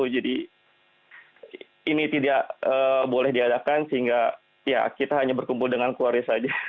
jadi ini tidak boleh diadakan sehingga kita hanya berkumpul dengan keluarga saja